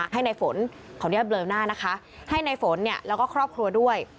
ให้นายฝนของดิฉันเบลอหน้านะคะให้นายฝนแล้วก็ครอบครัวด้วย